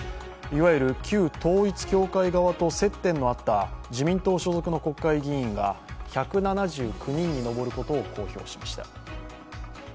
いわゆる旧統一教会側と接点のあった自民党所属の国会議員は１７９人に上ることを公表しました。